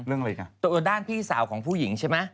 จากตัวด้านพี่สาวของผู้หญิงใช่มะ